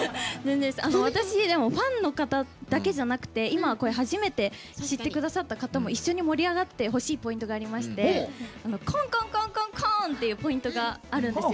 私はファンの方だけじゃなくて今、初めて知っていただいた方も一緒に盛り上がってほしいポイントがありまして「コンコンコンコンコン！」っていうポイントがあるんですよ。